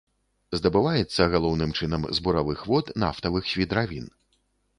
Здабываецца галоўным чынам з буравых вод нафтавых свідравін.